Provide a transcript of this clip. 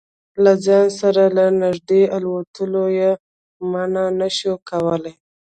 له ځان سره له نږدې الوتلو یې منع نه شو کولای.